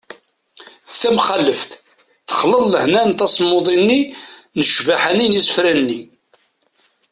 d tamxaleft : texleḍ lehna n tasmuḍi-nni d ccbaḥa n yisefra-nni